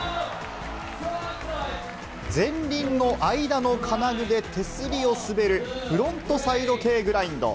前輪の間の金具で手すりを滑る、フロントサイドＫグラインド。